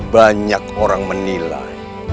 banyak orang menilai